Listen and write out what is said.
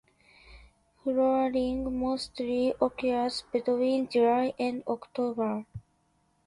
Flowering mostly occurs between July and October.